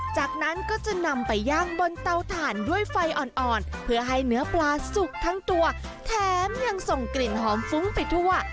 จากนั้นก็จะนำไปย่างบนเตาถ่านด้วยไฟอ่อนเพื่อให้เนื้อปลาสุกทั้งตัวแถมยังส่งกลิ่นหอมฟุ้งไปทั่ว